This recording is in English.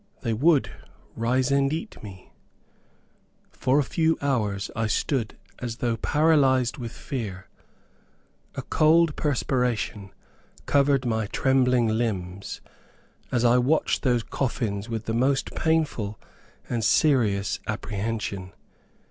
They would rise and eat me! For a few hours I stood as though paralyzed with fear. A cold perspiration covered my trembling limbs, as I watched those coffins with the most painful and serious apprehension.